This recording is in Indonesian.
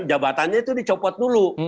jabatannya itu dicopot dulu